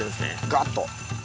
ガッと。